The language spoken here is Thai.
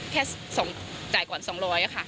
แค่จ่ายก่อนสองร้อยค่ะ